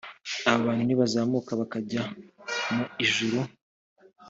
aba bantu nibazamuka bakajya mu ijuru